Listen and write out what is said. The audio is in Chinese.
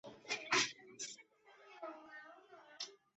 别海町为日本北海道根室振兴局野付郡的町。